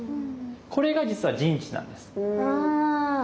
これが実は陣地なんです。